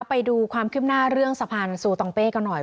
ไปดูความคืบหน้าเรื่องสะพานซูตองเป้กันหน่อย